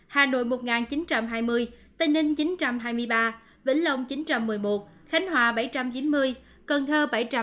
hà nội một chín trăm hai mươi tây ninh chín trăm hai mươi ba vĩnh long chín trăm một mươi một khánh hòa bảy trăm chín mươi cần thơ bảy trăm sáu mươi ba